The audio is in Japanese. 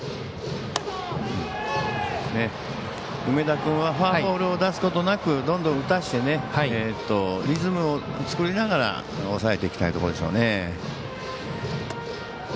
梅田君はフォアボールを出すことなくどんどん打たせてリズムを作りながら抑えていきたいところでしょうね。